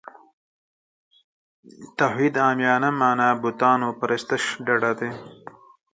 توحید عامیانه معنا بوتانو پرستش ډډه دی.